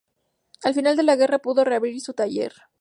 Al final de la guerra, pudo reabrir su taller.